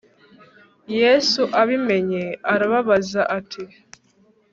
Yesu abimenye arababaza ati